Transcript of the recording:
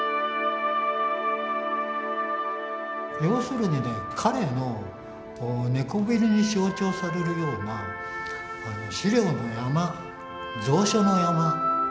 要するにね彼の猫ビルに象徴されるような資料の山蔵書の山。